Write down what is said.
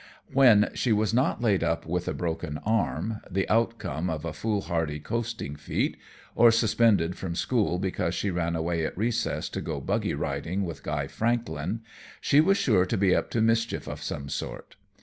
When she was not laid up with a broken arm, the outcome of a foolhardy coasting feat, or suspended from school because she ran away at recess to go buggy riding with Guy Franklin, she was sure to be up to mischief of some sort.